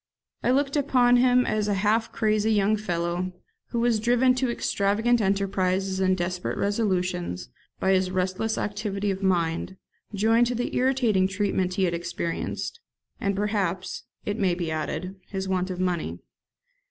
I looked upon him as a half crazy young fellow, who was driven to extravagant enterprises and desperate resolutions by his restless activity of mind, joined to the irritating treatment he had experienced, and, perhaps, it may be added, his want of money.